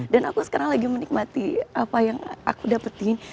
dan aku sekarang lagi menikmati apa yang aku dapetin